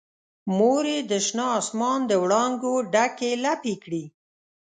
مور یې د شنه اسمان دوړانګو ډکې لپې کړي